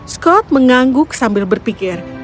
scott mengangguk sambil berpikir